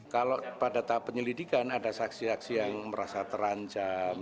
kalau pada tahap penyelidikan ada saksi saksi yang merasa terancam